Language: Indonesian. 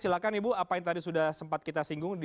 silahkan ibu apa yang tadi sudah sempat kita singgung